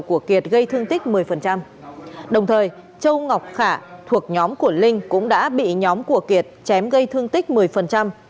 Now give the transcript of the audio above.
của kiệt gây thương tích một mươi đồng thời châu ngọc khả thuộc nhóm của linh cũng đã bị nhóm của kiệt chém gây thương tích một mươi